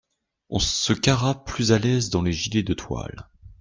On se carra plus à l'aise dans les gilets de toile.